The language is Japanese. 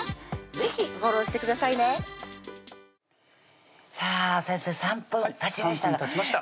是非フォローしてくださいねさぁ先生３分たちました３分たちました